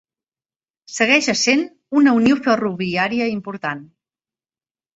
Segueix essent una unió ferroviària important.